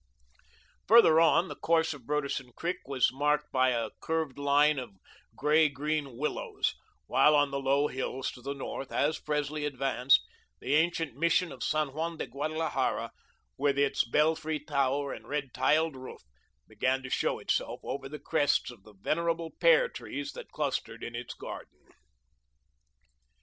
Farther on, the course of Broderson Creek was marked by a curved line of grey green willows, while on the low hills to the north, as Presley advanced, the ancient Mission of San Juan de Guadalajara, with its belfry tower and red tiled roof, began to show itself over the crests of the venerable pear trees that clustered in its garden.